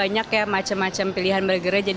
banyak sih karena banyak macam macam pilihan burgernya